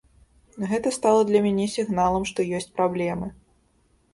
Гэта стала для мяне сігналам, што ёсць праблемы.